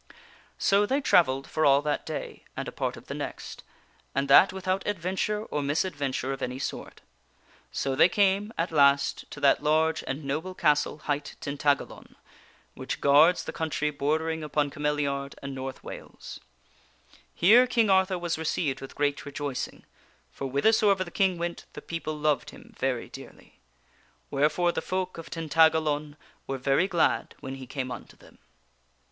So they travelled for all that day and a part of the next, and How King Ar _ that without adventure or misadventure of any sort. So ttercamtto they came, at last, to that large and noble castle, hight Tin tagalon, which guards the country bordering upon Cameliard and North 82 THE WINNING OF A QUEEN Wales. Here King Arthur was received with great rejoicing ; for whither soever the King went the people loved him very dearly. Wherefore the folk of Tintagalon were very glad when he came unto them.